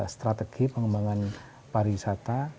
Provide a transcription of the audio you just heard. strategi pengembangan pariwisata